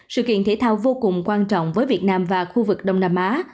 sự kiện thể thao vô cùng quan trọng với việt nam và khu vực đông nam á